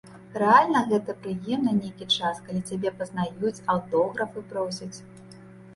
Рэальна гэты прыемна нейкі час, калі цябе пазнаюць, аўтографы просяць.